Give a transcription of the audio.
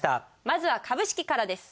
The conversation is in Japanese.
まずは株式からです。